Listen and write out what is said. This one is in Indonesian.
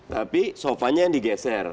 tapi sofanya yang digeser